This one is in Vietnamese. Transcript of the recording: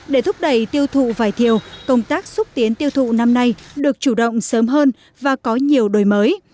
để thúc đẩy tiêu thụ vải thiều công tác xúc tiến tiêu thụ năm nay được chủ động sớm hơn và có nhiều đổi mới